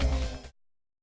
thân ái chào tạm biệt